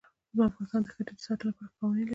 افغانستان د ښتې د ساتنې لپاره قوانین لري.